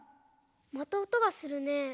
またおとがするね。